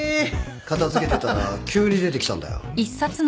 片付けてたら急に出てきたんだよ。